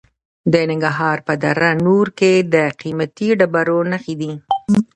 د ننګرهار په دره نور کې د قیمتي ډبرو نښې دي.